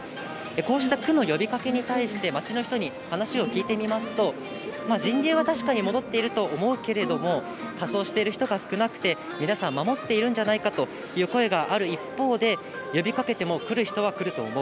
こうした区の呼びかけに対して、街の人に話を聞いてみますと、人流は確かに戻っていると思うけれども、仮装している人が少なくて、皆さん、守っているんじゃないかという声がある一方で、呼びかけても来る人は来ると思う。